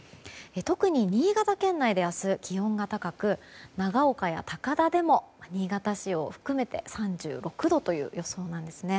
特に新潟県内で明日、気温が高く長岡や高田でも新潟市を含めて３６度という予想なんですね。